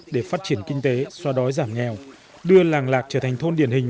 để phát triển kinh tế xoa đói giảm nghèo đưa làng lạc trở thành thôn điển hình